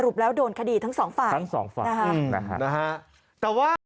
สรุปแล้วโดนคดีทั้ง๒ฝ่ายนะฮะ